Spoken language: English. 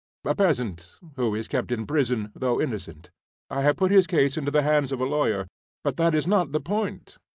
"A peasant who is kept in prison, though innocent. I have put his case into the hands of a lawyer. But that is not the point."